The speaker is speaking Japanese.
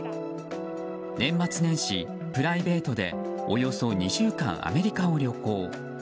年末年始、プライベートでおよそ２週間アメリカを旅行。